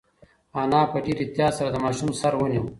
انا په ډېر احتیاط سره د ماشوم سر ونیو.